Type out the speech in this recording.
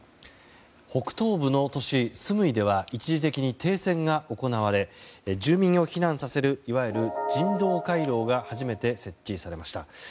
北東部の都市スムイでは一時的に停戦が行われ住民を避難させるいわゆる人道回廊が初めて設置されました。